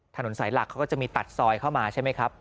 ถนนสายหลักเขาก็จะมีตัดซอยเข้ามาใช่ไหมครับ